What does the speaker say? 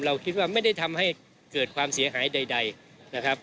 คิดว่าไม่ได้ทำให้เกิดความเสียหายใดนะครับ